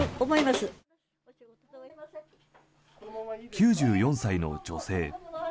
９４歳の女性。